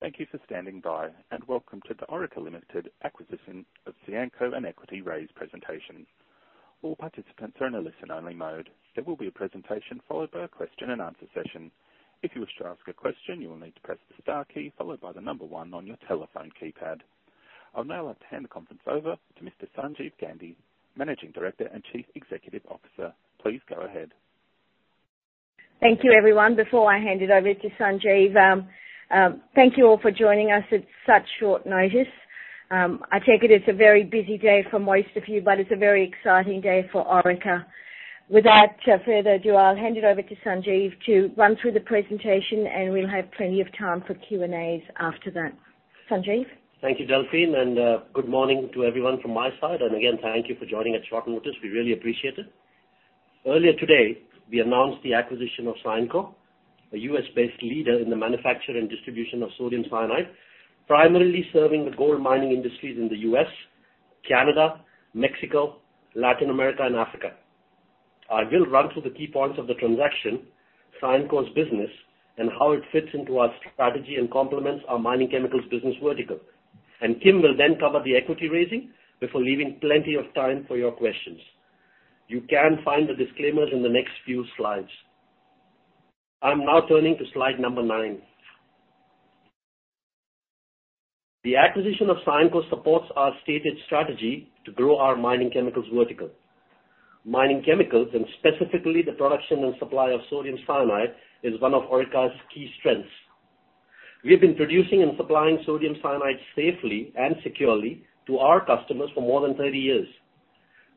Thank you for standing by, and welcome to the Orica Limited acquisition of Cyanco and Equity Raise presentation. All participants are in a listen-only mode. There will be a presentation followed by a question and answer session. If you wish to ask a question, you will need to press the star key followed by the number one on your telephone keypad. I'll now hand the conference over to Mr. Sanjeev Gandhi, Managing Director and Chief Executive Officer. Please go ahead. Thank you, everyone. Before I hand it over to Sanjeev, thank you all for joining us at such short notice. I take it it's a very busy day for most of you, but it's a very exciting day for Orica. Without further ado, I'll hand it over to Sanjeev to run through the presentation, and we'll have plenty of time for Q&As after that. Sanjeev? Thank you, Delphine, and good morning to everyone from my side. Again, thank you for joining at short notice. We really appreciate it. Earlier today, we announced the acquisition of Cyanco, a U.S.-based leader in the manufacture and distribution of sodium cyanide, primarily serving the gold mining industries in the U.S., Canada, Mexico, Latin America, and Africa. I will run through the key points of the transaction, Cyanco's business, and how it fits into our strategy and complements our mining chemicals business vertical. And Kim will then cover the equity raising before leaving plenty of time for your questions. You can find the disclaimers in the next few slides. I'm now turning to slide number nine. The acquisition of Cyanco supports our stated strategy to grow our mining chemicals vertical. Mining chemicals, and specifically the production and supply of sodium cyanide, is one of Orica's key strengths. We've been producing and supplying sodium cyanide safely and securely to our customers for more than 30 years.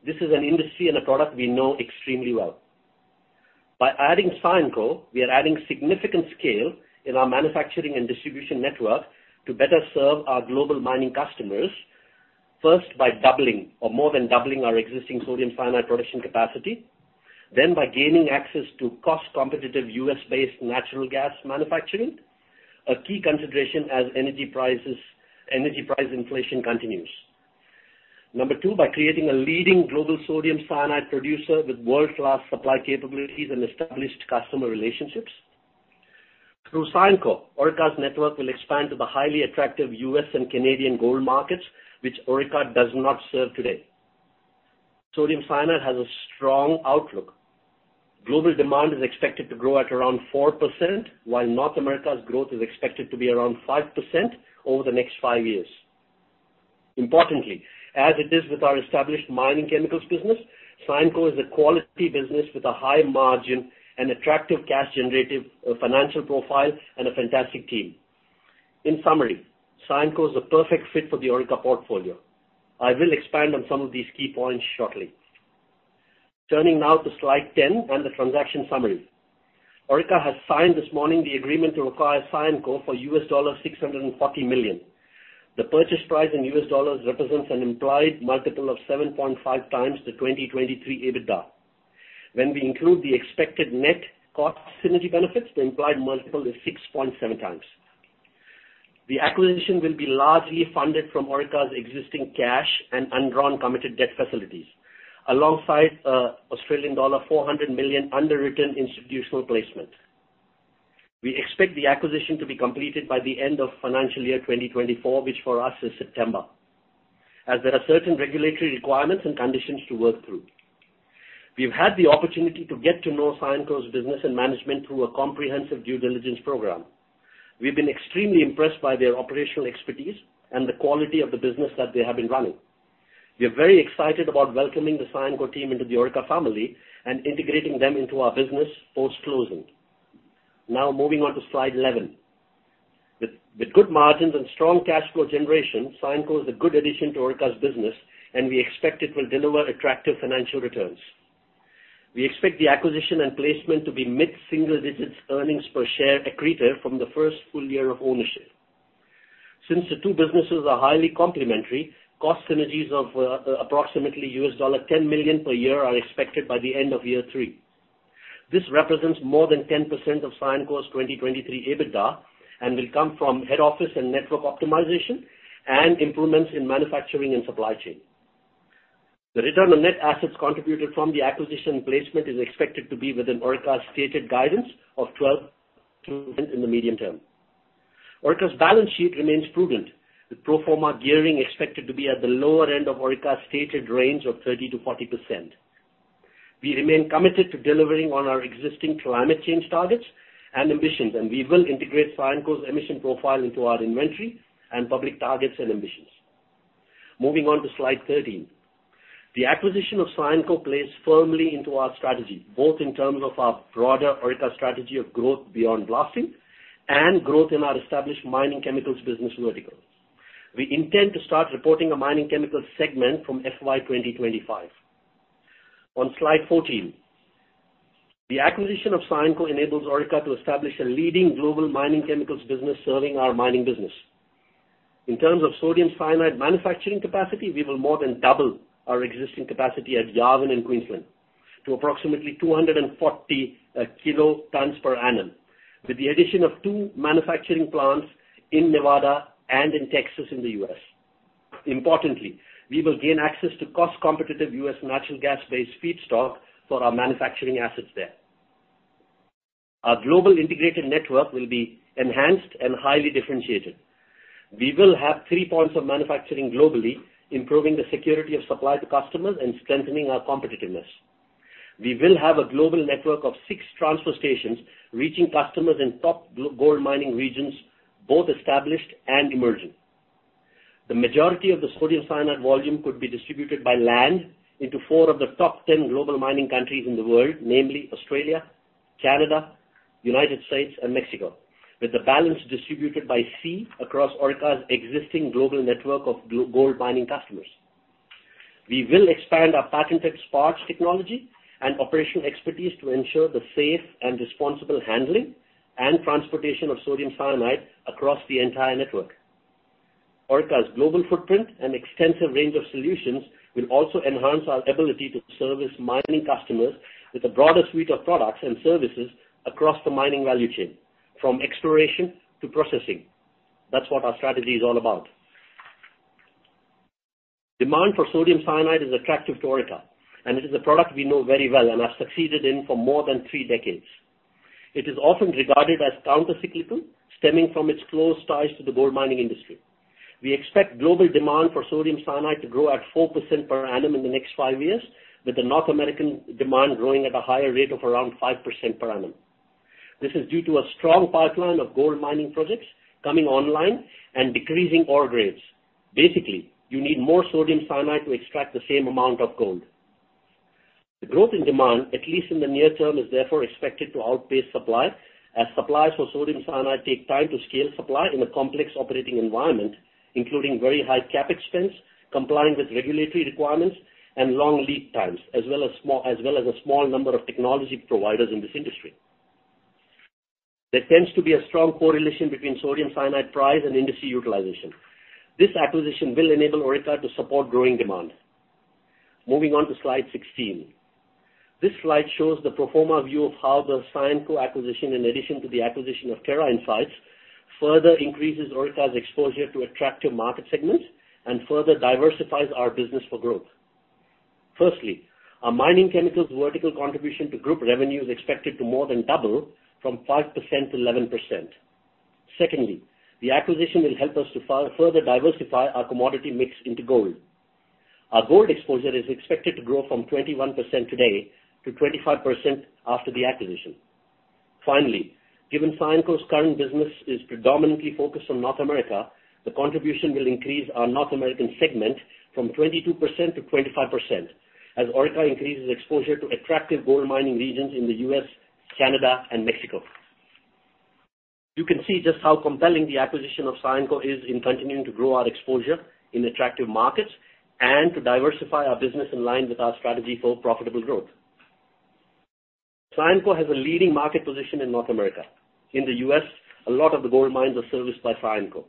This is an industry and a product we know extremely well. By adding Cyanco, we are adding significant scale in our manufacturing and distribution network to better serve our global mining customers, first, by doubling or more than doubling our existing sodium cyanide production capacity, then by gaining access to cost-competitive U.S.-based natural gas manufacturing, a key consideration as energy price inflation continues. Number two, by creating a leading global sodium cyanide producer with world-class supply capabilities and established customer relationships. Through Cyanco, Orica's network will expand to the highly attractive U.S. and Canadian gold markets, which Orica does not serve today. Sodium cyanide has a strong outlook. Global demand is expected to grow at around 4%, while North America's growth is expected to be around 5% over the next five years. Importantly, as it is with our established mining chemicals business, Cyanco is a quality business with a high margin and attractive cash generative, financial profile and a fantastic team. In summary, Cyanco is a perfect fit for the Orica portfolio. I will expand on some of these key points shortly. Turning now to slide 10 and the transaction summary. Orica has signed this morning the agreement to acquire Cyanco for $640 million. The purchase price in US dollars represents an implied multiple of 7.5x the 2023 EBITDA. When we include the expected net cost synergy benefits, the implied multiple is 6.7x. The acquisition will be largely funded from Orica's existing cash and undrawn committed debt facilities, alongside Australian dollar 400 million underwritten institutional placement. We expect the acquisition to be completed by the end of financial year 2024, which for us is September, as there are certain regulatory requirements and conditions to work through. We've had the opportunity to get to know Cyanco's business and management through a comprehensive due diligence program. We've been extremely impressed by their operational expertise and the quality of the business that they have been running. We are very excited about welcoming the Cyanco team into the Orica family and integrating them into our business post-closing. Now moving on to slide 11. With good margins and strong cash flow generation, Cyanco is a good addition to Orica's business, and we expect it will deliver attractive financial returns. We expect the acquisition and placement to be mid-single digits earnings per share accretive from the first full year of ownership. Since the two businesses are highly complementary, cost synergies of approximately $10 million per year are expected by the end of year three. This represents more than 10% of Cyanco's 2023 EBITDA and will come from head office and network optimization and improvements in manufacturing and supply chain. The return on net assets contributed from the acquisition placement is expected to be within Orica's stated guidance of 12 in the medium term. Orica's balance sheet remains prudent, with pro forma gearing expected to be at the lower end of Orica's stated range of 30%-40%. We remain committed to delivering on our existing climate change targets and ambitions, and we will integrate Cyanco's emission profile into our inventory and public targets and ambitions. Moving on to slide 13. The acquisition of Cyanco plays firmly into our strategy, both in terms of our broader Orica strategy of growth beyond blasting and growth in our established mining chemicals business vertical. We intend to start reporting a mining chemicals segment from FY 2025. On slide 14, the acquisition of Cyanco enables Orica to establish a leading global mining chemicals business serving our mining business. In terms of sodium cyanide manufacturing capacity, we will more than double our existing capacity at Yarwun, in Queensland, to approximately 240 kilotons per annum, with the addition of two manufacturing plants in Nevada and in Texas, in the U.S.... Importantly, we will gain access to cost-competitive US natural gas-based feedstock for our manufacturing assets there. Our global integrated network will be enhanced and highly differentiated. We will have three points of manufacturing globally, improving the security of supply to customers and strengthening our competitiveness. We will have a global network of 6 transfer stations, reaching customers in top gold mining regions, both established and emerging. The majority of the sodium cyanide volume could be distributed by land into 4 of the top 10 global mining countries in the world, namely Australia, Canada, United States, and Mexico, with the balance distributed by sea across Orica's existing global network of gold mining customers. We will expand our patented Sparge technology and operational expertise to ensure the safe and responsible handling and transportation of sodium cyanide across the entire network. Orica's global footprint and extensive range of solutions will also enhance our ability to service mining customers with a broader suite of products and services across the mining value chain, from exploration to processing. That's what our strategy is all about. Demand for sodium cyanide is attractive to Orica, and it is a product we know very well and have succeeded in for more than three decades. It is often regarded as countercyclical, stemming from its close ties to the gold mining industry. We expect global demand for sodium cyanide to grow at 4% per annum in the next five years, with the North American demand growing at a higher rate of around 5% per annum. This is due to a strong pipeline of gold mining projects coming online and decreasing ore grades. Basically, you need more sodium cyanide to extract the same amount of gold. The growth in demand, at least in the near term, is therefore expected to outpace supply, as suppliers for sodium cyanide take time to scale supply in a complex operating environment, including very high CapEx spends, complying with regulatory requirements, and long lead times, as well as a small number of technology providers in this industry. There tends to be a strong correlation between sodium cyanide price and industry utilization. This acquisition will enable Orica to support growing demand. Moving on to slide 16. This slide shows the pro forma view of how the Cyanco acquisition, in addition to the acquisition of Terra Insights, further increases Orica's exposure to attractive market segments and further diversifies our business for growth. Firstly, our mining chemicals vertical contribution to group revenue is expected to more than double from 5% to 11%. Secondly, the acquisition will help us to further diversify our commodity mix into gold. Our gold exposure is expected to grow from 21% today to 25% after the acquisition. Finally, given Cyanco's current business is predominantly focused on North America, the contribution will increase our North American segment from 22% to 25% as Orica increases exposure to attractive gold mining regions in the U.S., Canada, and Mexico. You can see just how compelling the acquisition of Cyanco is in continuing to grow our exposure in attractive markets and to diversify our business in line with our strategy for profitable growth. Cyanco has a leading market position in North America. In the U.S., a lot of the gold mines are serviced by Cyanco.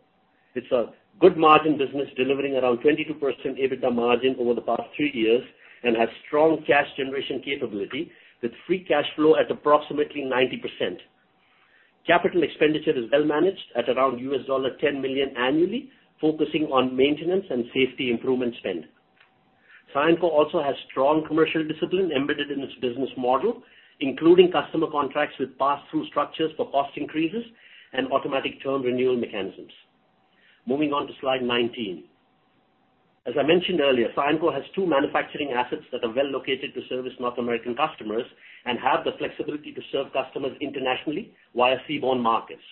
It's a good margin business, delivering around 22% EBITDA margin over the past three years and has strong cash generation capability, with free cash flow at approximately 90%. Capital expenditure is well managed at around $10 million annually, focusing on maintenance and safety improvement spend. Cyanco also has strong commercial discipline embedded in its business model, including customer contracts with pass-through structures for cost increases and automatic term renewal mechanisms. Moving on to slide 19. As I mentioned earlier, Cyanco has two manufacturing assets that are well located to service North American customers and have the flexibility to serve customers internationally via seaborne markets.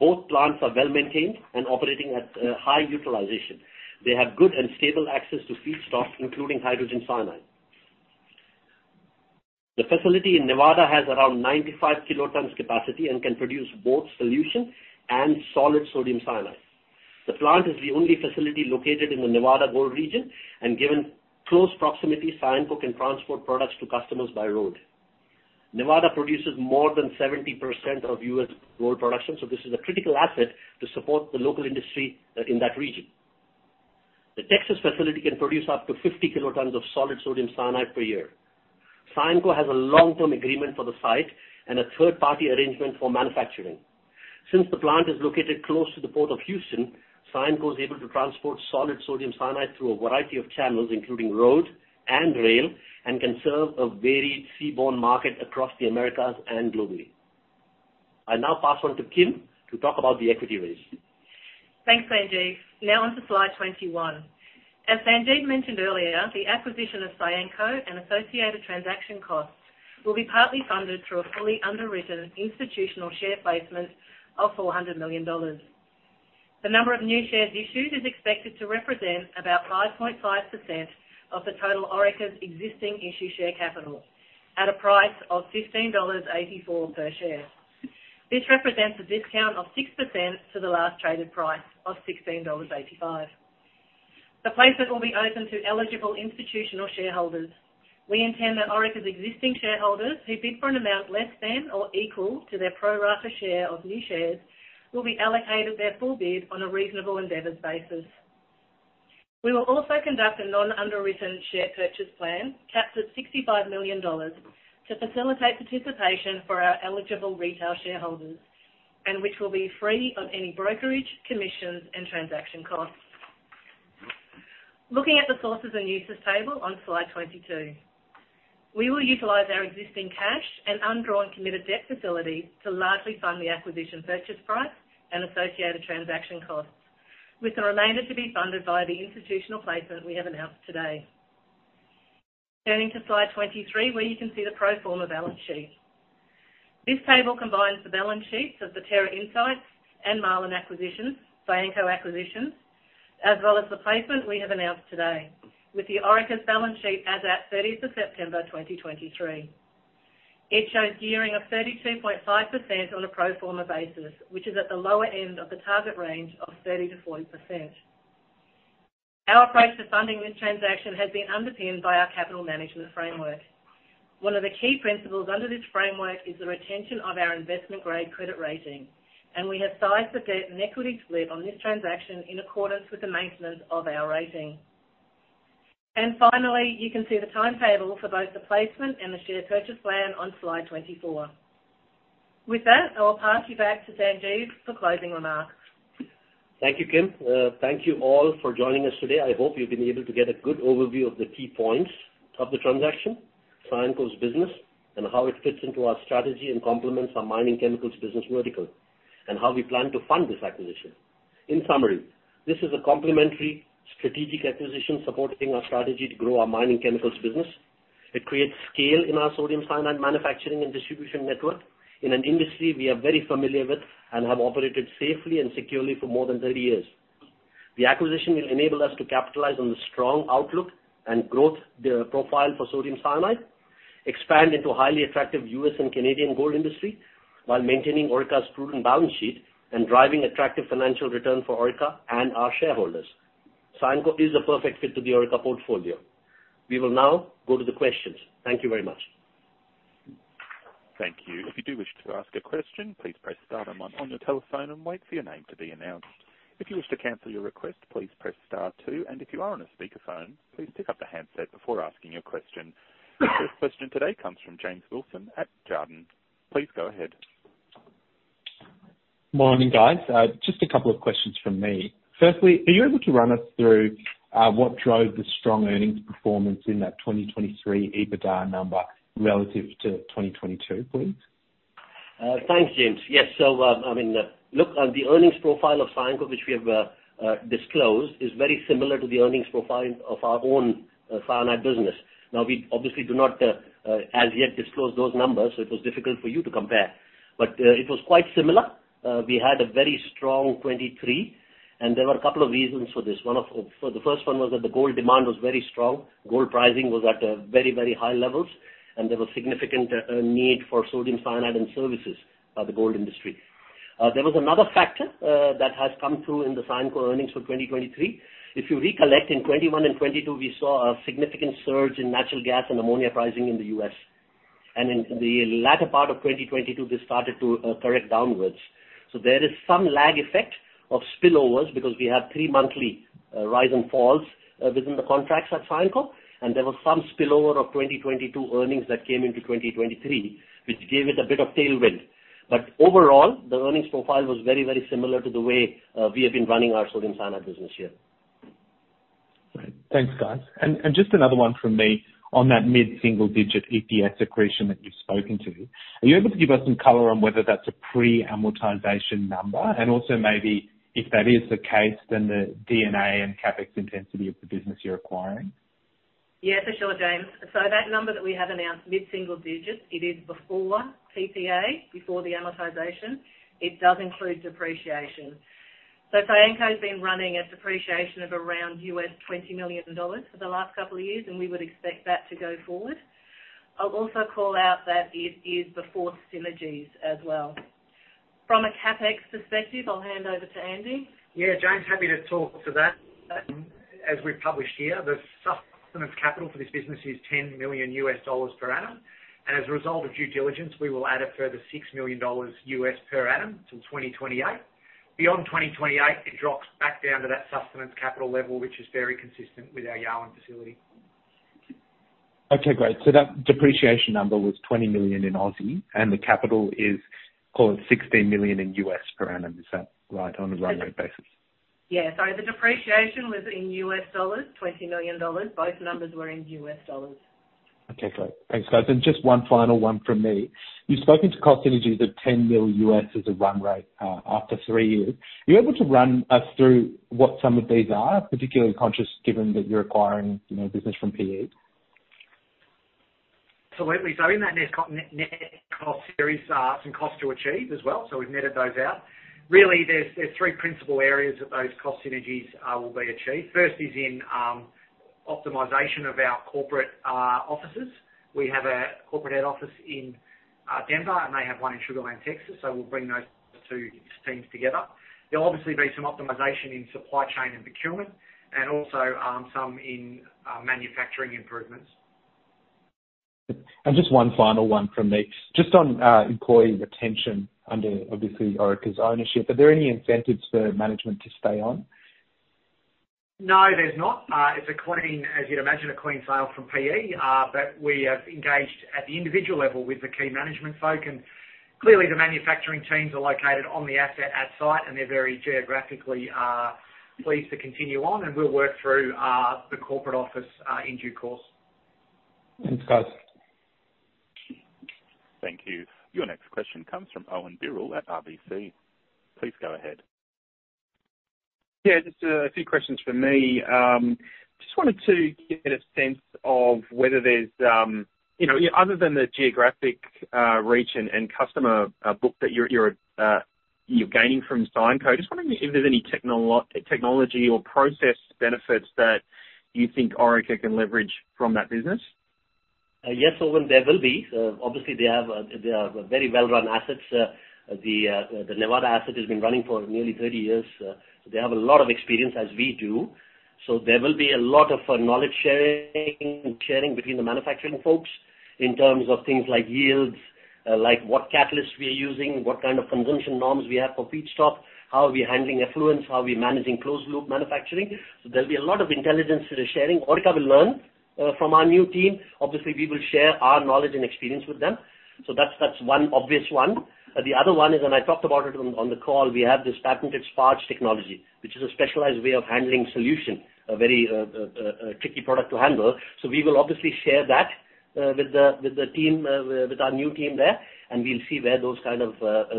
Both plants are well-maintained and operating at high utilization. They have good and stable access to feedstock, including hydrogen cyanide. The facility in Nevada has around 95 kilotons capacity and can produce both solution and solid sodium cyanide. The plant is the only facility located in the Nevada gold region, and given close proximity, Cyanco can transport products to customers by road. Nevada produces more than 70% of U.S. gold production, so this is a critical asset to support the local industry in that region. The Texas facility can produce up to 50 kilotons of solid sodium cyanide per year. Cyanco has a long-term agreement for the site and a third-party arrangement for manufacturing. Since the plant is located close to the Port of Houston, Cyanco is able to transport solid sodium cyanide through a variety of channels, including road and rail, and can serve a varied seaborne market across the Americas and globally. I now pass on to Kim to talk about the equity raise. Thanks, Sanjeev. Now on to slide 21. As Sanjeev mentioned earlier, the acquisition of Cyanco and associated transaction costs will be partly funded through a fully underwritten institutional share placement of $400 million. The number of new shares issued is expected to represent about 5.5% of the total Orica's existing issued share capital at a price of $15.84 per share. This represents a discount of 6% to the last traded price of $16.85. The placement will be open to eligible institutional shareholders. We intend that Orica's existing shareholders who bid for an amount less than or equal to their pro rata share of new shares will be allocated their full bid on a reasonable endeavors basis. We will also conduct a non-underwritten share purchase plan, capped at $65 million, to facilitate participation for our eligible retail shareholders.... and which will be free of any brokerage, commissions, and transaction costs. Looking at the sources and uses table on slide 22. We will utilize our existing cash and undrawn committed debt facility to largely fund the acquisition purchase price and associated transaction costs, with the remainder to be funded by the institutional placement we have announced today. Turning to slide 23, where you can see the pro forma balance sheet. This table combines the balance sheets of the Terra Insights and Marlun acquisitions, Cyanco acquisitions, as well as the placement we have announced today, with the Orica's balance sheet as at 30th of September 2023. It shows gearing of 32.5% on a pro forma basis, which is at the lower end of the target range of 30%-40%. Our approach to funding this transaction has been underpinned by our capital management framework. One of the key principles under this framework is the retention of our investment-grade credit rating, and we have sized the debt and equity split on this transaction in accordance with the maintenance of our rating. And finally, you can see the timetable for both the placement and the share purchase plan on slide 24. With that, I'll pass you back to Sanjeev for closing remarks. Thank you, Kim. Thank you all for joining us today. I hope you've been able to get a good overview of the key points of the transaction, Cyanco's business, and how it fits into our strategy and complements our mining chemicals business vertical, and how we plan to fund this acquisition. In summary, this is a complementary strategic acquisition supporting our strategy to grow our mining chemicals business. It creates scale in our sodium cyanide manufacturing and distribution network in an industry we are very familiar with and have operated safely and securely for more than 30 years. The acquisition will enable us to capitalize on the strong outlook and growth profile for sodium cyanide, expand into highly attractive U.S. and Canadian gold industry, while maintaining Orica's prudent balance sheet and driving attractive financial return for Orica and our shareholders. Cyanco is a perfect fit to the Orica portfolio. We will now go to the questions. Thank you very much. Thank you. If you do wish to ask a question, please press star then one on your telephone and wait for your name to be announced. If you wish to cancel your request, please press star two, and if you are on a speakerphone, please pick up the handset before asking your question. The first question today comes from James Wilson at Jarden. Please go ahead. Morning, guys. Just a couple of questions from me. Firstly, are you able to run us through what drove the strong earnings performance in that 2023 EBITDA number relative to 2022, please? Thanks, James. Yes, so, I mean, look, on the earnings profile of Cyanco, which we have disclosed, is very similar to the earnings profile of our own cyanide business. Now, we obviously do not, as yet disclose those numbers, so it was difficult for you to compare, but it was quite similar. We had a very strong 2023, and there were a couple of reasons for this. So the first one was that the gold demand was very strong. Gold pricing was at very, very high levels, and there was significant need for sodium cyanide and services, the gold industry. There was another factor that has come through in the Cyanco earnings for 2023. If you recollect, in 2021 and 2022, we saw a significant surge in natural gas and ammonia pricing in the U.S., and in the latter part of 2022, this started to correct downwards. So there is some lag effect of spillovers because we have three monthly rise and falls within the contracts at Cyanco, and there was some spillover of 2022 earnings that came into 2023, which gave it a bit of tailwind. But overall, the earnings profile was very, very similar to the way we have been running our sodium cyanide business here. Great. Thanks, guys. And, and just another one from me. On that mid-single digit EPS accretion that you've spoken to, are you able to give us some color on whether that's a pre-amortization number? And also maybe if that is the case, then the EBITDA and CapEx intensity of the business you're acquiring. Yeah, for sure, James. So that number that we have announced, mid-single digit, it is before PPA, before the amortization. It does include depreciation. So Cyanco's been running a depreciation of around $20 million for the last couple of years, and we would expect that to go forward. I'll also call out that it is before synergies as well. From a CapEx perspective, I'll hand over to Andy. Yeah, James, happy to talk to that. As we've published here, the sustenance capital for this business is $10 million per annum, and as a result of due diligence, we will add a further $6 million per annum till 2028. Beyond 2028, it drops back down to that sustenance capital level, which is very consistent with our Yarwun facility. Okay, great. So that depreciation number was 20 million, and the capital is, call it, $16 million per annum. Is that right, on a run rate basis? Yeah. The depreciation was in U.S. dollars, $20 million. Both numbers were in U.S. dollars. Okay, great. Thanks, guys. Just one final one from me. You've spoken to cost synergies of $10 million as a run rate after three years. Are you able to run us through what some of these are, particularly conscious, given that you're acquiring, you know, business from PE? Absolutely. So in that net cost synergies, some cost to achieve as well, so we've netted those out. Really, there are three principal areas that those cost synergies will be achieved. First is in optimization of our corporate offices. We have a corporate head office in Denver, and they have one in Sugar Land, Texas, so we'll bring those two teams together. There'll obviously be some optimization in supply chain and procurement, and also some in manufacturing improvements. Just one final one from me. Just on employee retention under, obviously, Orica's ownership, are there any incentives for management to stay on? ... No, there's not. It's a clean, as you'd imagine, a clean sale from PE. But we have engaged at the individual level with the key management folk, and clearly the manufacturing teams are located on the asset at site, and they're very geographically pleased to continue on, and we'll work through the corporate office in due course. Thanks, guys. Thank you. Your next question comes from Owen Berrill at RBC. Please go ahead. Yeah, just a few questions from me. Just wanted to get a sense of whether there's, you know, other than the geographic reach and customer book that you're gaining from Cyanco. Just wondering if there's any technology or process benefits that you think Orica can leverage from that business? Yes, Owen, there will be. Obviously, they have they have a very well-run assets. The Nevada asset has been running for nearly 30 years, so they have a lot of experience as we do. So there will be a lot of knowledge sharing between the manufacturing folks in terms of things like yields, like what catalysts we are using, what kind of consumption norms we have for feedstock, how are we handling effluent, how are we managing closed loop manufacturing. So there'll be a lot of intelligence sharing. Orica will learn from our new team. Obviously, we will share our knowledge and experience with them. So that's one obvious one. The other one is, and I talked about it on the call, we have this patented Sparge technology, which is a specialized way of handling solution, a very tricky product to handle. So we will obviously share that with the team, with our new team there, and we'll see where those kind of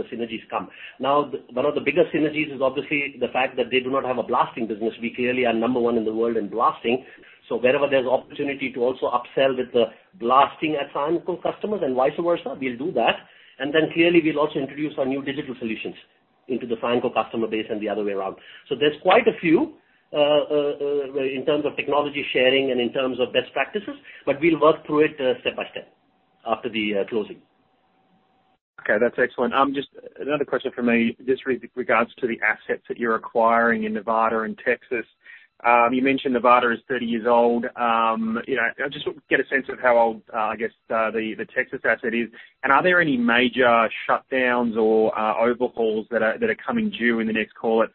synergies come. Now, one of the biggest synergies is obviously the fact that they do not have a blasting business. We clearly are number one in the world in blasting. So wherever there's opportunity to also upsell with the blasting at Cyanco customers and vice versa, we'll do that. And then clearly, we'll also introduce our new digital solutions into the Cyanco customer base and the other way around. So there's quite a few in terms of technology sharing and in terms of best practices, but we'll work through it step by step after the closing. Okay, that's excellent. Just another question from me. Just regarding the assets that you're acquiring in Nevada and Texas. You know, just get a sense of how old, I guess, the Texas asset is, and are there any major shutdowns or overhauls that are coming due in the next, call it,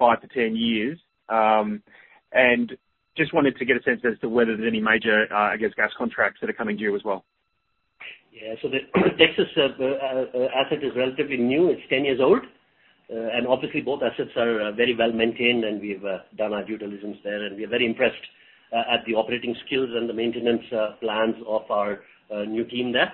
5-10 years? And just wanted to get a sense as to whether there's any major, I guess, gas contracts that are coming due as well. Yeah. So the Texas asset is relatively new. It's 10 years old. And obviously both assets are very well-maintained, and we've done our due diligence there, and we are very impressed at the operating skills and the maintenance plans of our new team there.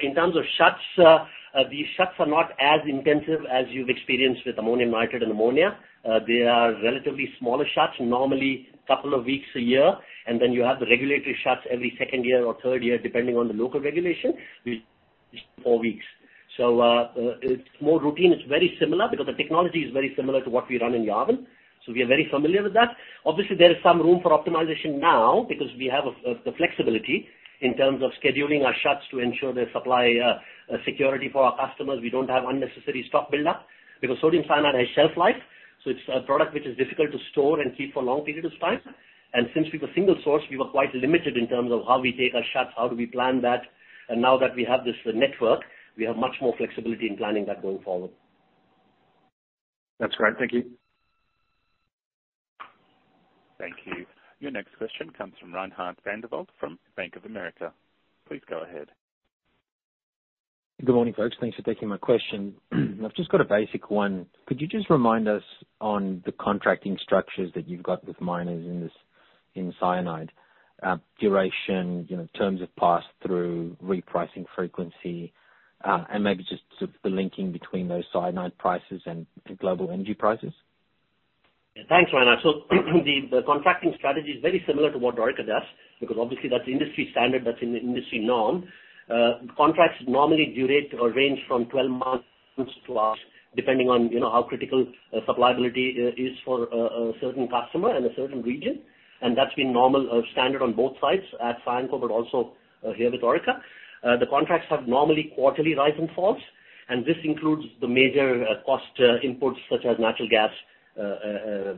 In terms of shuts, these shuts are not as intensive as you've experienced with ammonium nitrate and ammonia. They are relatively smaller shuts, normally couple of weeks a year, and then you have the regulatory shuts every second year or third year, depending on the local regulation, which four weeks. So it's more routine. It's very similar because the technology is very similar to what we run in Yarwun, so we are very familiar with that. Obviously, there is some room for optimization now because we have the flexibility in terms of scheduling our shuts to ensure there's supply security for our customers. We don't have unnecessary stock buildup because sodium cyanide has shelf life, so it's a product which is difficult to store and keep for long periods of time. And since we were single source, we were quite limited in terms of how we take our shuts, how do we plan that, and now that we have this network, we have much more flexibility in planning that going forward. That's great. Thank you. Thank you. Your next question comes from Reinhardt van der Walt from Bank of America. Please go ahead. Good morning, folks. Thanks for taking my question. I've just got a basic one. Could you just remind us on the contracting structures that you've got with miners in this, in cyanide, duration, you know, terms of pass-through, repricing frequency, and maybe just sort of the linking between those cyanide prices and the global energy prices? Thanks, Reinhardt. So the contracting strategy is very similar to what Orica does because obviously that's industry standard, that's an industry norm. Contracts normally duration or range from 12 months to, depending on, you know, how critical supply ability is for a certain customer in a certain region, and that's been normal standard on both sides at Cyanco, but also here with Orica. The contracts have normally quarterly rise and falls, and this includes the major cost inputs such as natural gas,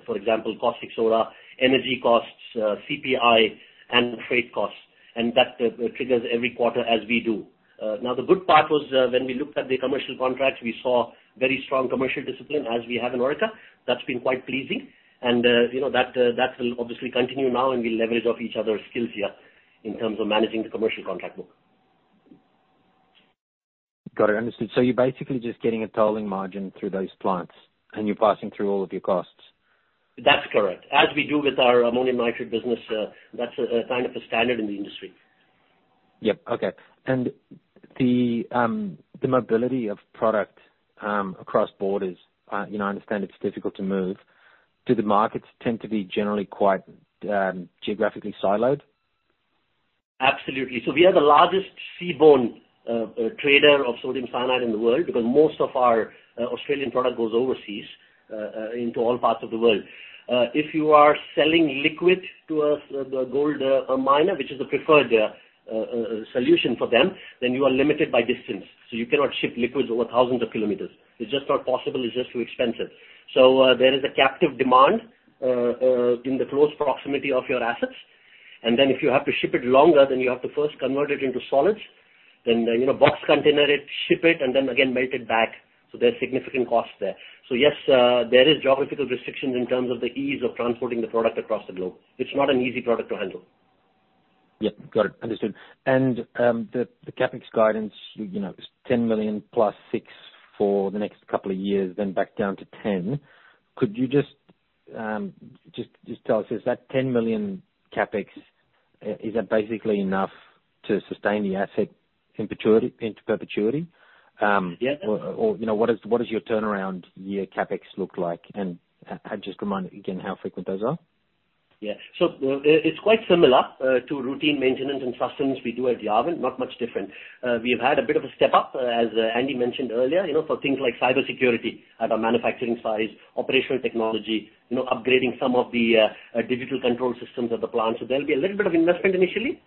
for example, caustic soda, energy costs, CPI, and freight costs, and that triggers every quarter as we do. Now, the good part was when we looked at the commercial contracts, we saw very strong commercial discipline, as we have in Orica. That's been quite pleasing. You know, that will obviously continue now, and we'll leverage off each other's skills here in terms of managing the commercial contract book. Got it, understood. You're basically just getting a tolling margin through those plants, and you're passing through all of your costs? That's correct. As we do with our ammonium nitrate business, that's kind of a standard in the industry. Yep. Okay. And the mobility of product across borders, you know, I understand it's difficult to move. Do the markets tend to be generally quite geographically siloed? Absolutely. So we are the largest seaborne trader of sodium cyanide in the world, because most of our Australian product goes overseas into all parts of the world. If you are selling liquid to the gold miner, which is the preferred solution for them, then you are limited by distance, so you cannot ship liquids over thousands of kilometers. It's just not possible. It's just too expensive. So there is a captive demand in the close proximity of your assets... And then if you have to ship it longer, then you have to first convert it into solids, then you know, box container it, ship it, and then again, melt it back. So there's significant costs there. So yes, there is geographical restrictions in terms of the ease of transporting the product across the globe. It's not an easy product to handle. Yep, got it. Understood. CapEx guidance, you know, is 10 million + 6 million for the next couple of years, then back down to 10 million. Could you tell us, is that 10 million CapEx, is that basically enough to sustain the asset in perpetuity, into perpetuity? Yeah. You know, what is your turnaround year CapEx look like? Just remind me again how frequent those are. Yeah. So, it's quite similar to routine maintenance and sustenance we do at Yarwun, not much different. We have had a bit of a step up, as Andy mentioned earlier, you know, for things like cybersecurity at our manufacturing sites, operational technology, you know, upgrading some of the digital control systems of the plant. So there'll be a little bit of investment initially,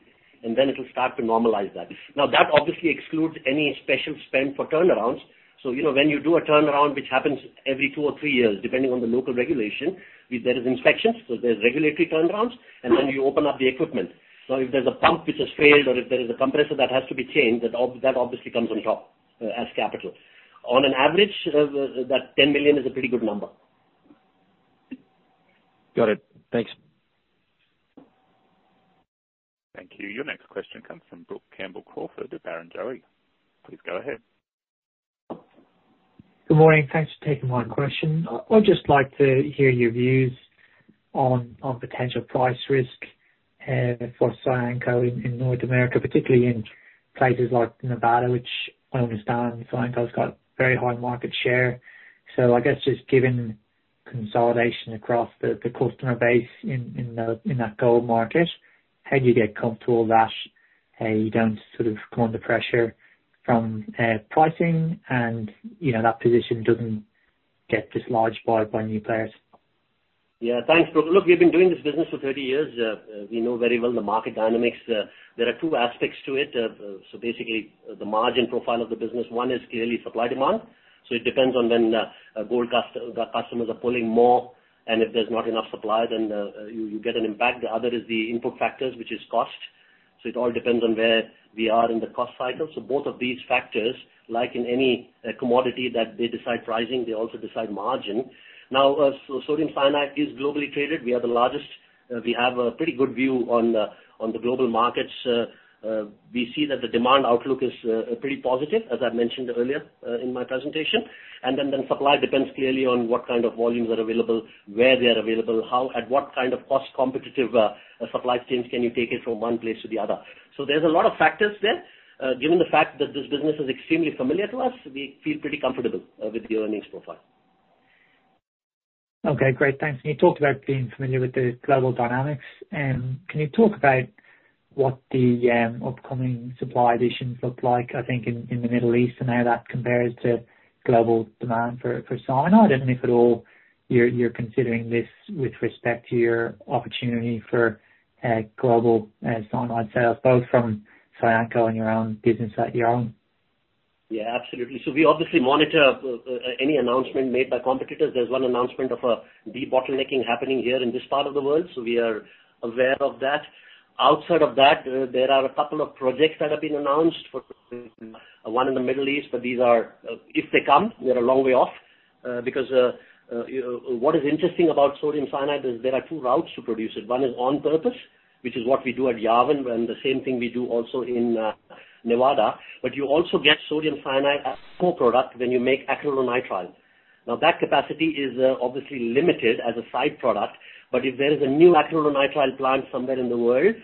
and then it'll start to normalize that. Now, that obviously excludes any special spend for turnarounds. So, you know, when you do a turnaround, which happens every two or three years, depending on the local regulation, there is inspections, so there's regulatory turnarounds, and then you open up the equipment. If there's a pump which has failed or if there is a compressor that has to be changed, that obviously comes on top as capital. On an average, that 10 million is a pretty good number. Got it. Thanks. Thank you. Your next question comes from Brook Campbell-Crawford of Barrenjoey. Please go ahead. Good morning. Thanks for taking my question. I'd just like to hear your views on on potential price risk for Cyanco in North America, particularly in places like Nevada, which I understand Cyanco's got very high market share. So I guess just given consolidation across the customer base in that gold market, how do you get comfortable that you don't sort of come under pressure from pricing and, you know, that position doesn't get dislodged by new players? Yeah, thanks, Brook. Look, we've been doing this business for 30 years. We know very well the market dynamics. There are two aspects to it. So basically, the margin profile of the business, one is clearly supply, demand. So it depends on when gold customers are pulling more, and if there's not enough supply, then you get an impact. The other is the input factors, which is cost. So it all depends on where we are in the cost cycle. So both of these factors, like in any commodity, that they decide pricing, they also decide margin. Now, so sodium cyanide is globally traded. We are the largest. We have a pretty good view on the global markets. We see that the demand outlook is pretty positive, as I mentioned earlier in my presentation. And then supply depends clearly on what kind of volumes are available, where they are available, how at what kind of cost competitive supply chains can you take it from one place to the other. So there's a lot of factors there. Given the fact that this business is extremely familiar to us, we feel pretty comfortable with the earnings profile. Okay, great. Thanks. Can you talk about being familiar with the global dynamics, and can you talk about what the upcoming supply additions look like, I think in the Middle East, and how that compares to global demand for cyanide? And if at all, you're considering this with respect to your opportunity for global cyanide sales, both from Cyanco and your own business that you own. Yeah, absolutely. So we obviously monitor any announcement made by competitors. There's one announcement of a debottlenecking happening here in this part of the world, so we are aware of that. Outside of that, there are a couple of projects that have been announced for one in the Middle East, but these are... If they come, we're a long way off, because, you know, what is interesting about sodium cyanide is there are two routes to produce it. One is on purpose, which is what we do at Yarwun, and the same thing we do also in Nevada. But you also get sodium cyanide as co-product when you make acrylonitrile. Now, that capacity is, obviously limited as a side product, but if there is a new acrylonitrile plant somewhere in the world,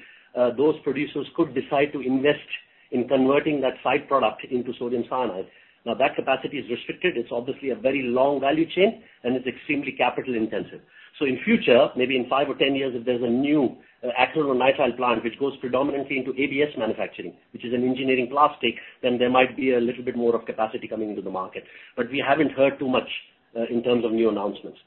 those producers could decide to invest in converting that side product into sodium cyanide. Now, that capacity is restricted. It's obviously a very long value chain, and it's extremely capital intensive. So in future, maybe in five or 10 years, if there's a new, acrylonitrile plant, which goes predominantly into ABS manufacturing, which is an engineering plastic, then there might be a little bit more of capacity coming into the market. But we haven't heard too much, in terms of new announcements.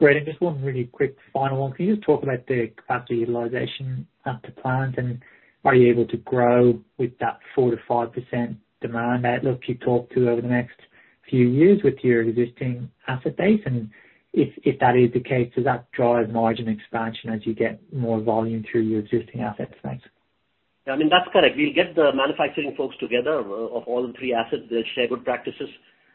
Great. And just one really quick final one. Can you just talk about the capacity utilization at the plant, and are you able to grow with that 4%-5% demand outlook you talked to over the next few years with your existing asset base? And if, if that is the case, does that drive margin expansion as you get more volume through your existing assets? Thanks. Yeah, I mean, that's correct. We'll get the manufacturing folks together, of all the three assets, they'll share good practices.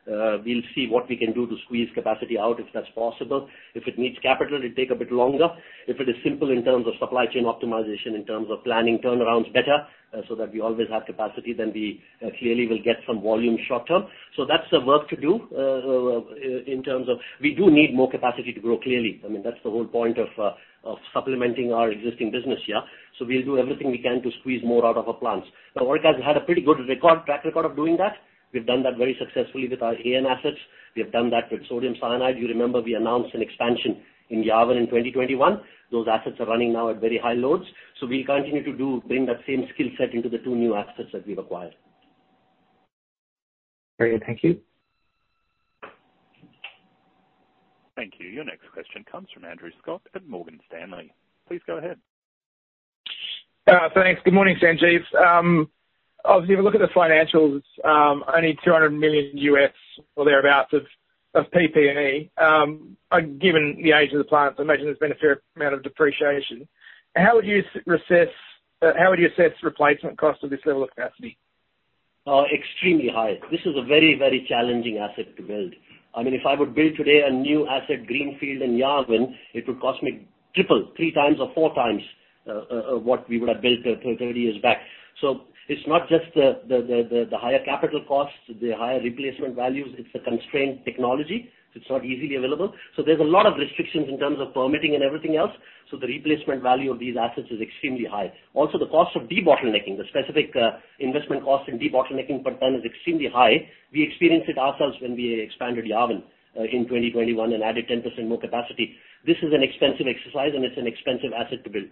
We'll see what we can do to squeeze capacity out, if that's possible. If it needs capital, it'll take a bit longer. If it is simple in terms of supply chain optimization, in terms of planning turnarounds better, so that we always have capacity, then we, clearly will get some volume short term. So that's the work to do, in terms of... We do need more capacity to grow, clearly. I mean, that's the whole point of, of supplementing our existing business here. So we'll do everything we can to squeeze more out of our plants. Now, Orica has had a pretty good record, track record of doing that. We've done that very successfully with our AN assets. We have done that with sodium cyanide. You remember we announced an expansion in Yarwun in 2021. Those assets are running now at very high loads. So we'll continue to do, bring that same skill set into the two new assets that we've acquired. Very good. Thank you. Thank you. Your next question comes from Andrew Scott at Morgan Stanley. Please go ahead.... Thanks. Good morning, Sanjeev. Obviously, if you look at the financials, only $200 million or thereabouts of, of PP&E. Given the age of the plant, I imagine there's been a fair amount of depreciation. How would you reassess- how would you assess replacement cost of this level of capacity? Extremely high. This is a very, very challenging asset to build. I mean, if I would build today a new asset, greenfield in Yarwun, it would cost me triple, 3x or 4x, what we would have built, 30 years back. So it's not just the, the, the, the, the higher capital costs, the higher replacement values, it's a constrained technology. It's not easily available. So there's a lot of restrictions in terms of permitting and everything else, so the replacement value of these assets is extremely high. Also, the cost of debottlenecking, the specific, investment cost in debottlenecking per ton is extremely high. We experienced it ourselves when we expanded Yarwun, in 2021 and added 10% more capacity. This is an expensive exercise, and it's an expensive asset to build.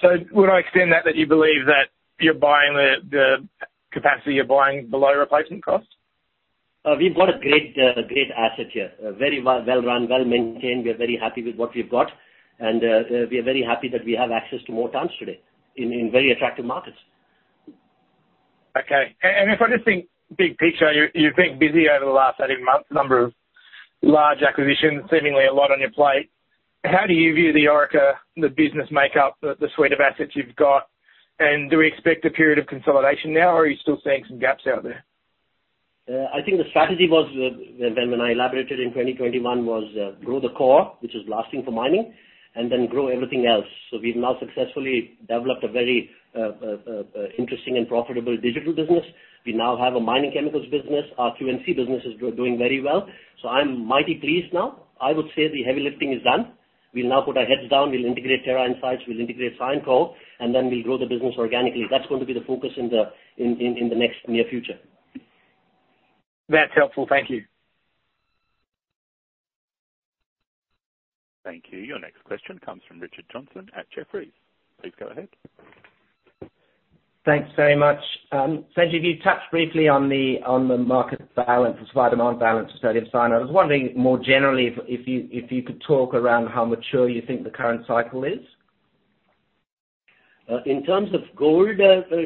So would I extend that, that you believe that you're buying the capacity, you're buying below replacement cost? We've got a great asset here. A very well-run, well-maintained. We are very happy with what we've got, and we are very happy that we have access to more tons today in very attractive markets. Okay. And if I just think big picture, you, you've been busy over the last, I think, month, number of large acquisitions, seemingly a lot on your plate. How do you view the Orica, the business makeup, the suite of assets you've got? And do we expect a period of consolidation now, or are you still seeing some gaps out there? I think the strategy was, when I elaborated in 2021, was, grow the core, which is blasting for mining, and then grow everything else. So we've now successfully developed a very, interesting and profitable digital business. We now have a mining chemicals business. Our Cyanco business is doing very well. So I'm mighty pleased now. I would say the heavy lifting is done. We'll now put our heads down. We'll integrate Terra Insights, we'll integrate Cyanco, and then we'll grow the business organically. That's going to be the focus in the next near future. That's helpful. Thank you. Thank you. Your next question comes from Richard Johnson at Jefferies. Please go ahead. Thanks very much. Sanjeev, you touched briefly on the market balance, supply/demand balance for sodium cyanide. I was wondering more generally, if you could talk around how mature you think the current cycle is. In terms of gold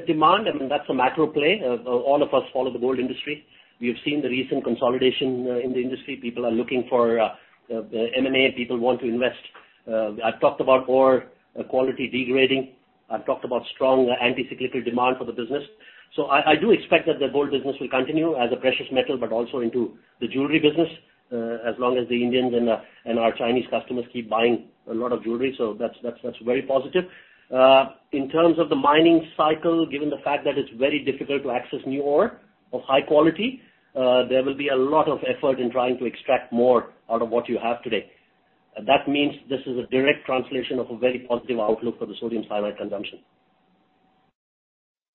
demand, I mean, that's a macro play. All of us follow the gold industry. We have seen the recent consolidation in the industry. People are looking for M&A, people want to invest. I've talked about ore quality degrading. I've talked about strong anti-cyclical demand for the business. So I do expect that the gold business will continue as a precious metal, but also into the jewelry business, as long as the Indians and our Chinese customers keep buying a lot of jewelry, so that's very positive. In terms of the mining cycle, given the fact that it's very difficult to access new ore of high quality, there will be a lot of effort in trying to extract more out of what you have today. That means this is a direct translation of a very positive outlook for the sodium cyanide consumption.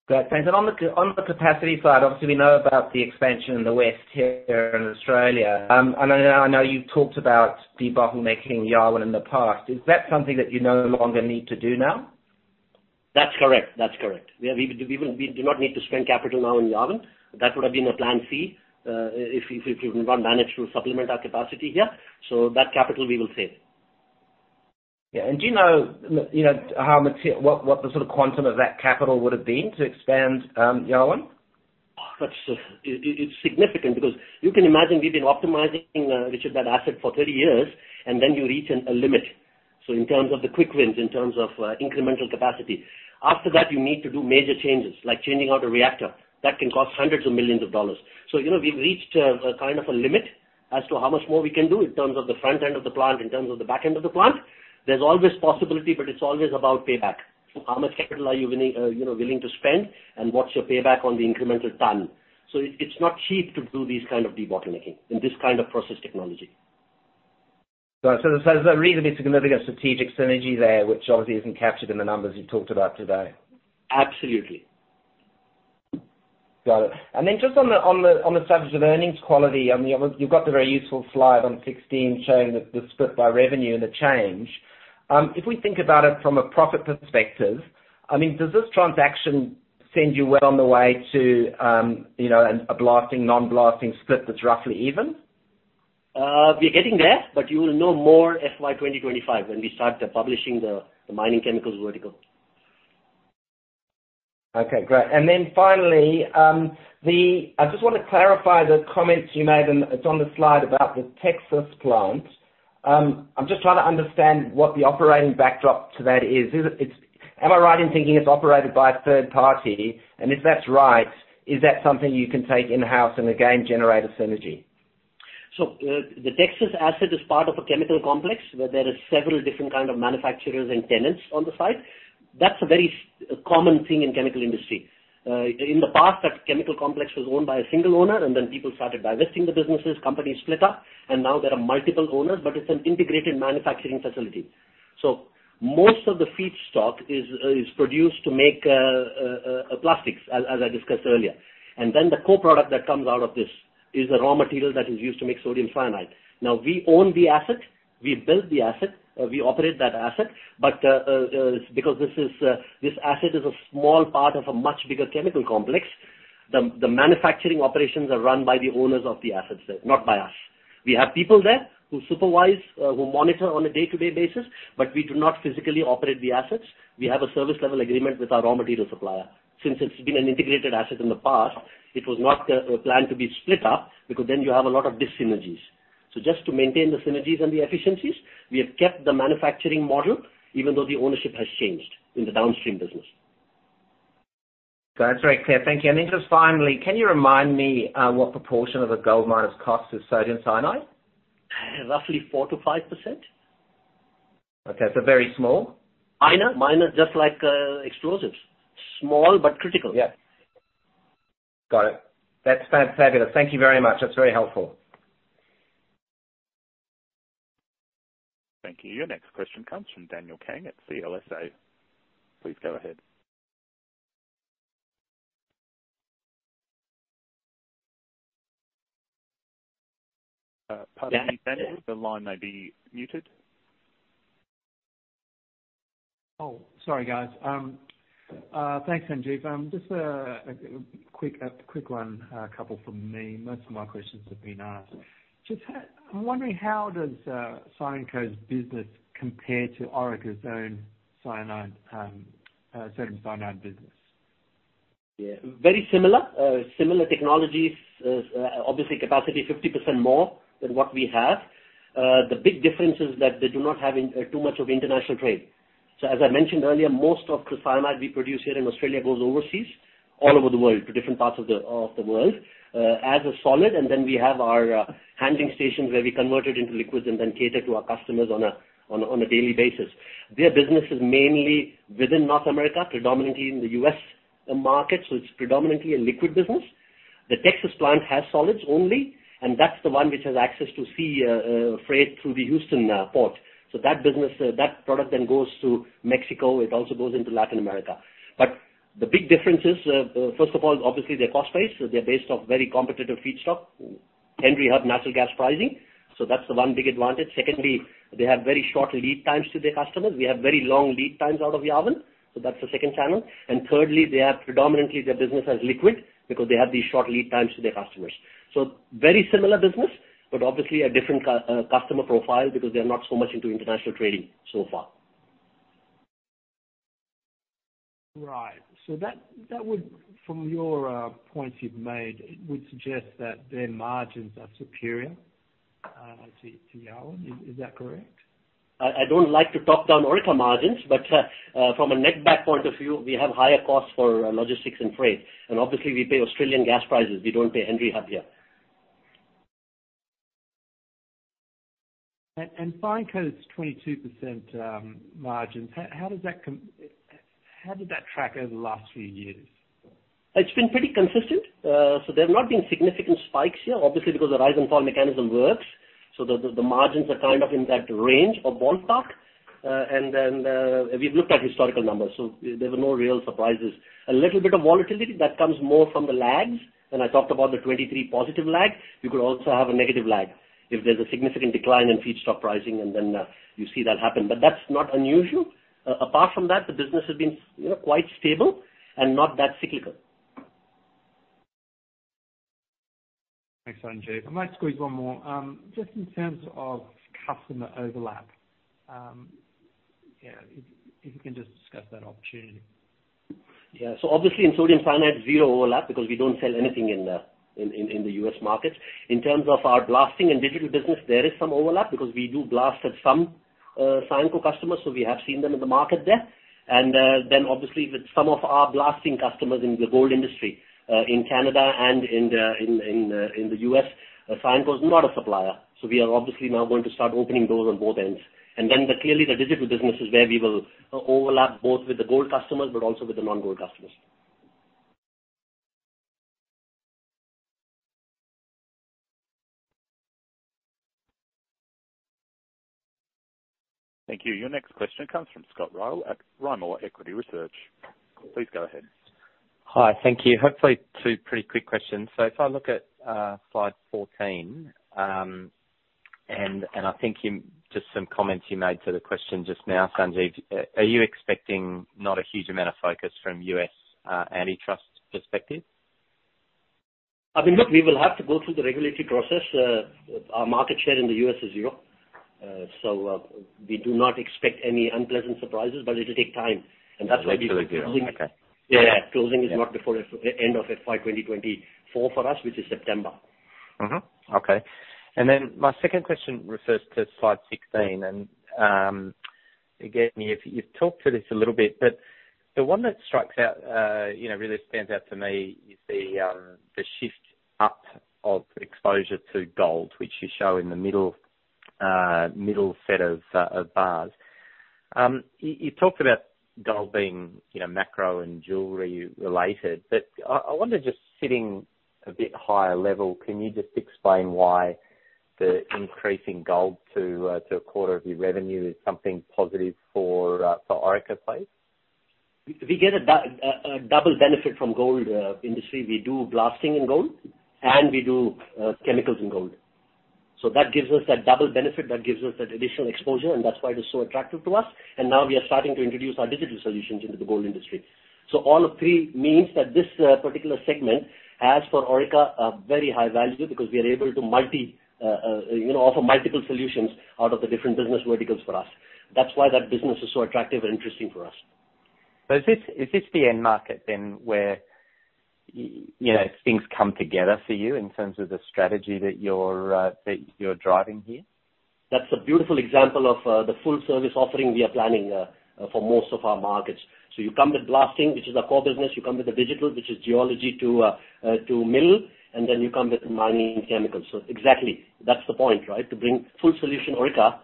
Great, thanks. And on the capacity side, obviously, we know about the expansion in the west here in Australia. And I know, I know you've talked about debottlenecking Yarwun in the past. Is that something that you no longer need to do now? That's correct. That's correct. We do not need to spend capital now in Yarwun. That would have been a plan C, if we won't manage to supplement our capacity here. So that capital we will save. Yeah. And do you know, you know, how much... What the sort of quantum of that capital would have been to expand Yarwun? That's it, it's significant because you can imagine we've been optimizing, Richard, that asset for 30 years, and then you reach a limit. So in terms of the quick wins, in terms of incremental capacity. After that, you need to do major changes, like changing out a reactor. That can cost $hundreds of millions. So, you know, we've reached a kind of a limit as to how much more we can do in terms of the front end of the plant, in terms of the back end of the plant. There's always possibility, but it's always about payback. How much capital are you willing, you know, to spend, and what's your payback on the incremental ton? So it's not cheap to do this kind of debottlenecking in this kind of process technology. There's a reasonably significant strategic synergy there, which obviously isn't captured in the numbers you talked about today. Absolutely. Got it. And then just on the subject of earnings quality, I mean, you've got the very useful slide on 16 showing the split by revenue and the change. If we think about it from a profit perspective, I mean, does this transaction send you well on the way to, you know, a blasting, non-blasting split that's roughly even? We're getting there, but you will know more FY 2025 when we start publishing the mining chemicals vertical. Okay, great. And then finally, the—I just want to clarify the comments you made, and it's on the slide about the Texas plant. I'm just trying to understand what the operating backdrop to that is. Is it, it's—Am I right in thinking it's operated by a third party? And if that's right, is that something you can take in-house and again, generate a synergy? So, the Texas asset is part of a chemical complex, where there are several different kind of manufacturers and tenants on the site. That's a very common thing in chemical industry. In the past, that chemical complex was owned by a single owner, and then people started divesting the businesses, companies split up, and now there are multiple owners, but it's an integrated manufacturing facility. So most of the feedstock is produced to make plastics, as I discussed earlier. And then the co-product that comes out of this is a raw material that is used to make sodium cyanide. Now, we own the asset, we built the asset, we operate that asset, but because this asset is a small part of a much bigger chemical complex-... The manufacturing operations are run by the owners of the assets there, not by us. We have people there who supervise, who monitor on a day-to-day basis, but we do not physically operate the assets. We have a service level agreement with our raw material supplier. Since it's been an integrated asset in the past, it was not planned to be split up because then you have a lot of dis-synergies. So just to maintain the synergies and the efficiencies, we have kept the manufacturing model, even though the ownership has changed in the downstream business. That's very clear. Thank you. And then just finally, can you remind me, what proportion of the gold mine's cost is sodium cyanide? Roughly 4%-5%. Okay, so very small. Minor, minor, just like explosives. Small, but critical. Yeah. Got it. That's fabulous. Thank you very much. That's very helpful. Thank you. Your next question comes from Daniel Kang at CLSA. Please go ahead. Pardon me, Daniel, the line may be muted. Oh, sorry, guys. Thanks, Sanjeev. Just a quick one, couple from me. Most of my questions have been asked. Just I'm wondering, how does Cyanco's business compare to Orica's own cyanide, sodium cyanide business? Yeah, very similar. Similar technologies. Obviously, capacity 50% more than what we have. The big difference is that they do not have too much of international trade. So, as I mentioned earlier, most of the cyanide we produce here in Australia goes overseas, all over the world, to different parts of the world, as a solid. And then we have our handling stations, where we convert it into liquids and then cater to our customers on a daily basis. Their business is mainly within North America, predominantly in the U.S. market, so it's predominantly a liquid business. The Texas plant has solids only, and that's the one which has access to sea freight through the Houston port. So that business, that product then goes to Mexico. It also goes into Latin America. But the big difference is, first of all, obviously, their cost base, so they're based off very competitive feedstock, Henry Hub natural gas pricing. So that's the one big advantage. Secondly, they have very short lead times to their customers. We have very long lead times out of Yarwun, so that's the second channel. And thirdly, they have predominantly their business as liquid because they have these short lead times to their customers. So very similar business, but obviously a different customer profile because they're not so much into international trading so far. Right. So that, that would, from your points you've made, it would suggest that their margins are superior to, to Yarwun. Is, is that correct? I don't like to talk down Orica margins, but, from a net back point of view, we have higher costs for, logistics and freight, and obviously, we pay Australian gas prices. We don't pay Henry Hub here. Cyanco's 22% margins, how did that track over the last few years? It's been pretty consistent. So there have not been significant spikes here, obviously, because the rise and fall mechanism works, so the margins are kind of in that range or ballpark. And then, we've looked at historical numbers, so there were no real surprises. A little bit of volatility that comes more from the lags, and I talked about the 23 positive lag. You could also have a negative lag if there's a significant decline in feedstock pricing, and then, you see that happen, but that's not unusual. Apart from that, the business has been, you know, quite stable and not that cyclical. Thanks, Sanjeev. I might squeeze one more. Just in terms of customer overlap, yeah, if you can just discuss that opportunity. Yeah. So obviously in sodium cyanide, zero overlap, because we don't sell anything in the U.S. market. In terms of our blasting and digital business, there is some overlap because we do blast at some Cyanco customers, so we have seen them in the market there. And then obviously with some of our blasting customers in the gold industry, in Canada and in the U.S., Cyanco is not a supplier, so we are obviously now going to start opening doors on both ends. And then clearly, the digital business is where we will overlap, both with the gold customers but also with the non-gold customers. Thank you. Your next question comes from Scott Ryall at Rimor Equity Research. Please go ahead. Hi. Thank you. Hopefully, two pretty quick questions. So if I look at slide 14, and I think just some comments you made to the question just now, Sanjeev, are you expecting not a huge amount of focus from U.S. antitrust perspective? I mean, look, we will have to go through the regulatory process. Our market share in the U.S. is zero, so we do not expect any unpleasant surprises, but it'll take time, and that's why- Regularly, okay. Yeah. Closing is not before end of FY 2024 for us, which is September. Okay. And then my second question refers to slide 16, and again, you've talked to this a little bit, but the one that really stands out to me is the shift up of exposure to gold, which you show in the middle set of bars. You talked about gold being, you know, macro and jewelry related, but I wonder, just sitting a bit higher level, can you just explain why the increase in gold to a quarter of your revenue is something positive for Orica, please? We get a double benefit from gold industry. We do blasting in gold, and we do chemicals in gold. So that gives us that double benefit, that gives us that additional exposure, and that's why it is so attractive to us. And now we are starting to introduce our digital solutions into the gold industry. So all of three means that this particular segment, as for Orica, are very high value because we are able to, you know, offer multiple solutions out of the different business verticals for us. That's why that business is so attractive and interesting for us. So is this, is this the end market then where, you know, things come together for you in terms of the strategy that you're, that you're driving here? That's a beautiful example of the full service offering we are planning for most of our markets. So you come with blasting, which is our core business, you come with the digital, which is geology to mill, and then you come with the mining chemicals. So exactly, that's the point, right? To bring full solution Orica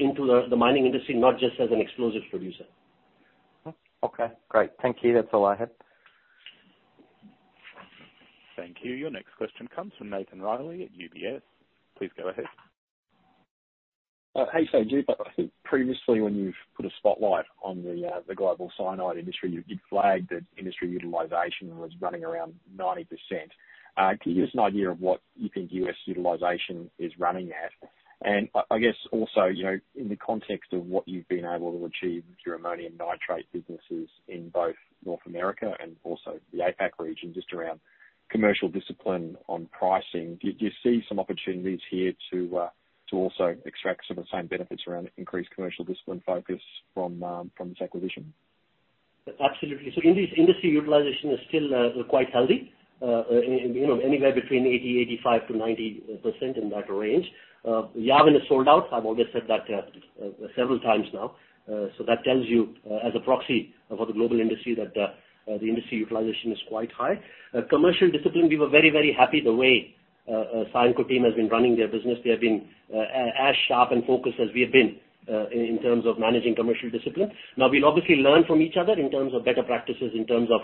into the mining industry, not just as an explosives producer. Okay, great. Thank you. That's all I have. Thank you. Your next question comes from Nathan Reilly at UBS. Please go ahead. Hey, Sanjeev. I think previously when you've put a spotlight on the global cyanide industry, you flagged that industry utilization was running around 90%. Can you give us an idea of what you think U.S. utilization is running at? I guess also, you know, in the context of what you've been able to achieve with your ammonium nitrate businesses in both North America and also the APAC region, just around commercial discipline on pricing, do you see some opportunities here to also extract some of the same benefits around increased commercial discipline focus from this acquisition? Absolutely. So in this industry, utilization is still quite healthy. You know, anywhere between 80, 85%-90% in that range. Yarwun is sold out. I've already said that several times now. So that tells you, as a proxy for the global industry, that the industry utilization is quite high. Commercial discipline, we were very, very happy the way, Cyanco team has been running their business. They have been as sharp and focused as we have been in terms of managing commercial discipline. Now, we'll obviously learn from each other in terms of better practices, in terms of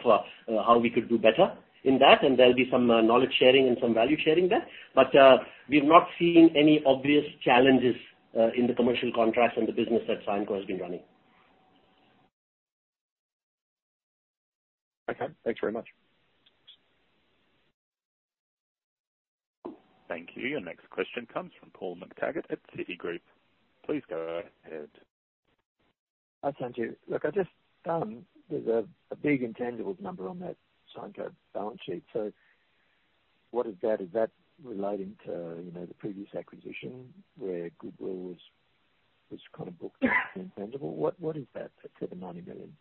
how we could do better in that, and there'll be some knowledge sharing and some value sharing there. But, we've not seen any obvious challenges in the commercial contracts and the business that Cyanco has been running. Okay, thanks very much. Thank you. Your next question comes from Paul McTaggart at Citigroup. Please go ahead. Hi, Sanjeev. Look, I just, there's a big intangibles number on that Cyanco balance sheet. So what is that? Is that relating to, you know, the previous acquisition where goodwill was kind of booked as intangible? What is that to the $90 million?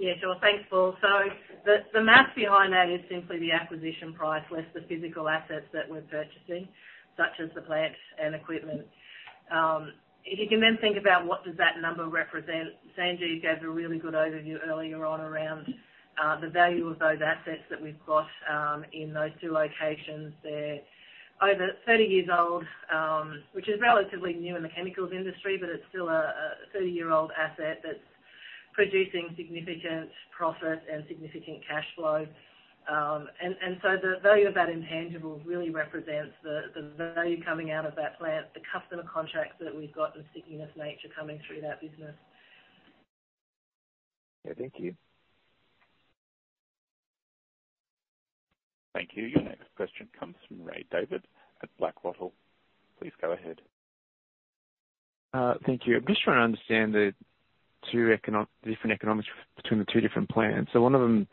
Yeah, sure. Thanks, Paul. So the math behind that is simply the acquisition price, less the physical assets that we're purchasing, such as the plant and equipment. If you can then think about what does that number represent, Sanjeev gave a really good overview earlier on around the value of those assets that we've got in those two locations. They're over 30 years old, which is relatively new in the chemicals industry, but it's still a 30-year-old asset that's producing significant profit and significant cash flow. So the value of that intangible really represents the value coming out of that plant, the customer contracts that we've got, the stickiness nature coming through that business. Yeah, thank you. Thank you. Your next question comes from Ray David at Blackwattle. Please go ahead. Thank you. I'm just trying to understand the different economics between the two different plants. So one of them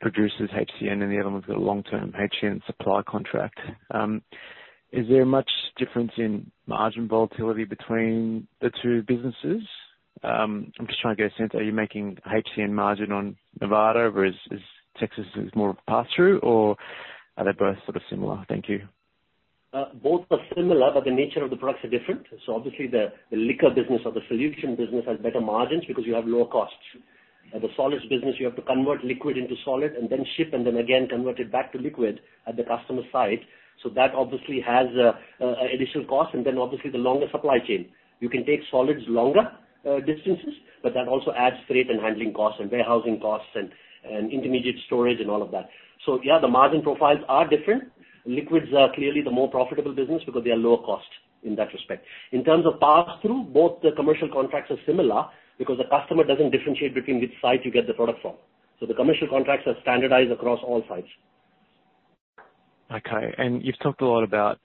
produces HCN, and the other one's got a long-term HCN supply contract. Is there much difference in margin volatility between the two businesses? I'm just trying to get a sense, are you making HCN margin on Nevada, or is Texas more of a pass-through, or are they both sort of similar? Thank you. Both are similar, but the nature of the products are different. So obviously, the liquor business or the solution business has better margins because you have lower costs. At the solids business, you have to convert liquid into solid and then ship, and then again convert it back to liquid at the customer site. So that obviously has additional cost and then obviously the longer supply chain. You can take solids longer distances, but that also adds freight and handling costs and warehousing costs and intermediate storage and all of that. So yeah, the margin profiles are different. Liquids are clearly the more profitable business because they are lower cost in that respect. In terms of pass-through, both the commercial contracts are similar because the customer doesn't differentiate between which site you get the product from. The commercial contracts are standardized across all sites. Okay, and you've talked a lot about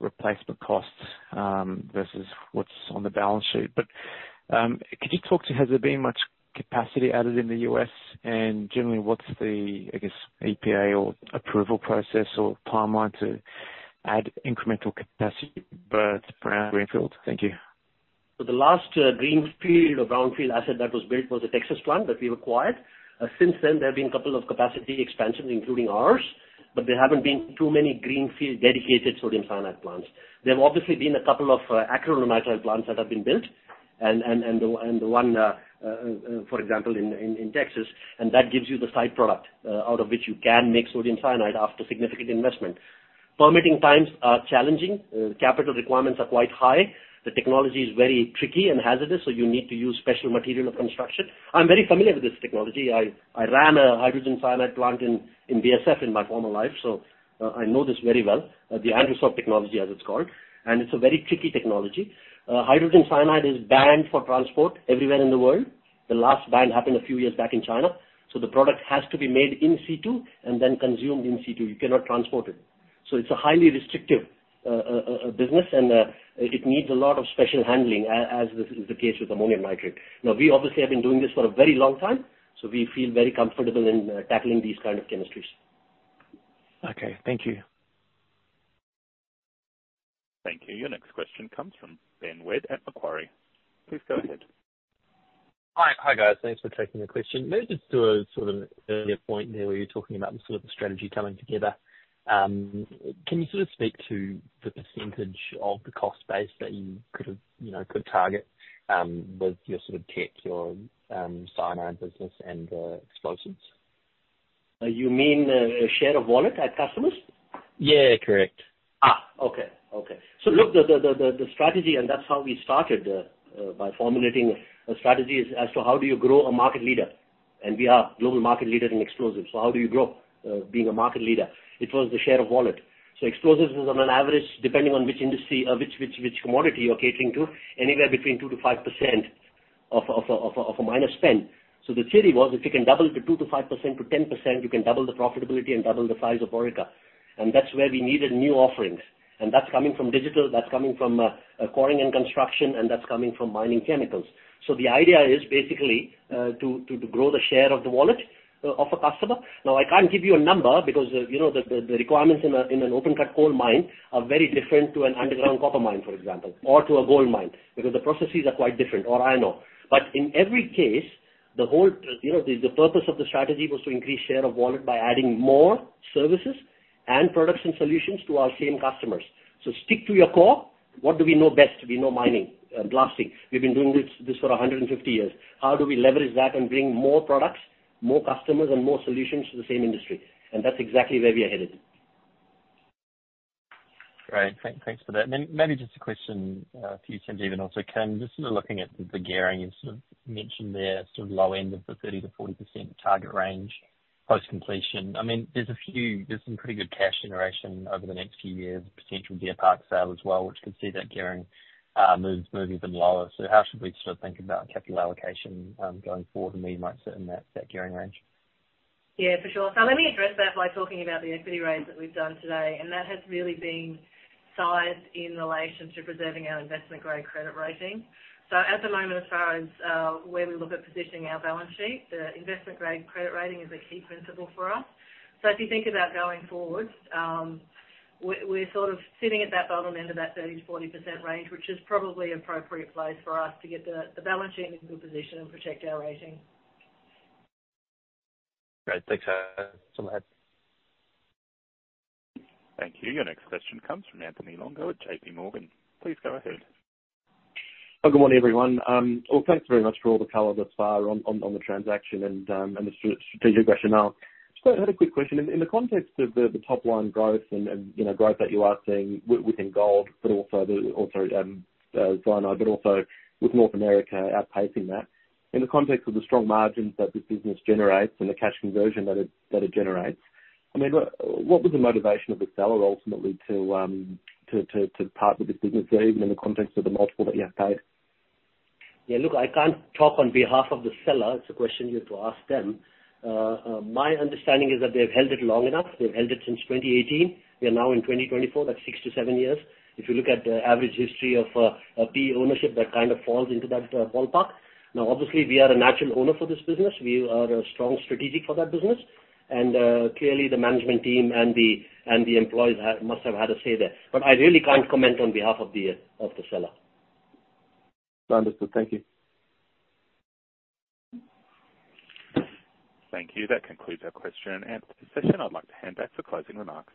replacement costs versus what's on the balance sheet. But, could you talk to has there been much capacity added in the U.S.? And generally, what's the, I guess, EPA or approval process or timeline to add incremental capacity, both brownfield? Thank you. So the last greenfield or brownfield asset that was built was a Texas plant that we acquired. Since then, there have been a couple of capacity expansions, including ours, but there haven't been too many greenfield dedicated sodium cyanide plants. There have obviously been a couple of acrylonitrile plants that have been built, and the one, for example, in Texas, and that gives you the side product out of which you can make sodium cyanide after significant investment. Permitting times are challenging. Capital requirements are quite high. The technology is very tricky and hazardous, so you need to use special material of construction. I'm very familiar with this technology. I ran a hydrogen cyanide plant in BASF in my former life, so I know this very well, the Andrussow technology, as it's called, and it's a very tricky technology. Hydrogen cyanide is banned for transport everywhere in the world. The last ban happened a few years back in China, so the product has to be made in situ and then consumed in situ. You cannot transport it. So it's a highly restrictive business, and it needs a lot of special handling, as is the case with ammonium nitrate. Now, we obviously have been doing this for a very long time, so we feel very comfortable in tackling these kind of chemistries. Okay, thank you. Thank you. Your next question comes from Ben Wedd at Macquarie. Please go ahead. Hi. Hi, guys. Thanks for taking the question. Maybe just to a sort of earlier point there, where you were talking about the sort of the strategy coming together. Can you sort of speak to the percentage of the cost base that you could have, you know, could target with your sort of tech, your cyanide business and explosives? You mean, the share of wallet at customers? Yeah, correct. Ah! Okay. Okay. So look, the strategy, and that's how we started, by formulating a strategy, as to how do you grow a market leader? And we are global market leader in explosives, so how do you grow, being a market leader? It was the share of wallet. So explosives was on an average, depending on which industry or commodity you're catering to, anywhere between 2%-5% of a miner spend. So the theory was, if you can double the 2%-5% to 10%, you can double the profitability and double the size of Orica. And that's where we needed new offerings. And that's coming from digital, that's coming from quarry and construction, and that's coming from mining chemicals. So the idea is basically to grow the share of the wallet of a customer. Now, I can't give you a number because, you know, the requirements in an open cut coal mine are very different to an underground copper mine, for example, or to a gold mine, because the processes are quite different, or iron ore. But in every case, you know, the purpose of the strategy was to increase share of wallet by adding more services and products and solutions to our same customers. So stick to your core. What do we know best? We know mining, blasting. We've been doing this for 150 years. How do we leverage that and bring more products, more customers, and more solutions to the same industry? And that's exactly where we are headed. Great. Thanks for that. Then maybe just a question for you, Sanjeev, also, Kim, just sort of looking at the gearing, you sort of mentioned there, sort of, low end of the 30%-40% target range, post-completion. I mean, there's some pretty good cash generation over the next few years, potential Deer Park sale as well, which could see that gearing move even lower. So how should we sort of think about capital allocation going forward, and where you might sit in that gearing range? Yeah, for sure. So let me address that by talking about the equity raise that we've done today, and that has really been sized in relation to preserving our investment-grade credit rating. So at the moment, as far as where we look at positioning our balance sheet, the investment-grade credit rating is a key principle for us. So if you think about going forward, we're sort of sitting at that bottom end of that 30%-40% range, which is probably appropriate place for us to get the balance sheet in a good position and protect our rating. Great. Thanks, Sanjeev. Thank you. Your next question comes from Anthony Longo at J.P. Morgan. Please go ahead. Good morning, everyone. Well, thanks very much for all the color thus far on the transaction and the strategic rationale. Just had a quick question. In the context of the top line growth and, you know, growth that you are seeing within gold, but also cyanide, but also with North America outpacing that, in the context of the strong margins that this business generates and the cash conversion that it generates, I mean, what was the motivation of the seller ultimately to partner this business there, even in the context of the multiple that you have paid? Yeah, look, I can't talk on behalf of the seller. It's a question you have to ask them. My understanding is that they've held it long enough. They've held it since 2018. We are now in 2024. That's 6-7 years. If you look at the average history of a PE ownership, that kind of falls into that ballpark. Now, obviously, we are a natural owner for this business. We are a strong strategic for that business, and clearly, the management team and the employees must have had a say there, but I really can't comment on behalf of the seller. Understood. Thank you. Thank you. That concludes our question and answer session. I'd like to hand back for closing remarks.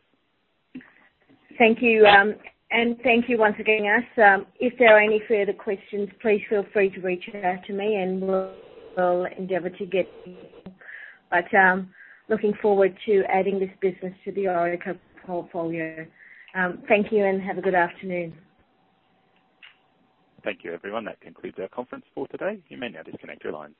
Thank you, and thank you once again, us. If there are any further questions, please feel free to reach out to me and we'll, we'll endeavor to get... But, looking forward to adding this business to the Orica portfolio. Thank you, and have a good afternoon. Thank you, everyone. That concludes our conference for today. You may now disconnect your lines.